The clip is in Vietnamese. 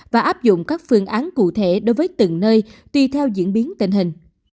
và áp dụng các phương án cụ thể đối với từng nơi tùy theo diễn biến tình hình